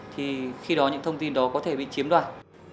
thì khi đó những thông tin đó có thể bị chiếm đoạt